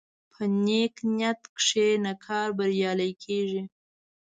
په نیک نیت کښېنه، کار بریالی کېږي.